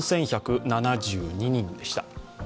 ４１７２人でした。